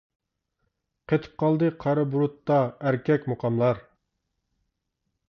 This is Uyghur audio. قېتىپ قالدى قارا بۇرۇتتا ئەركەك مۇقاملار.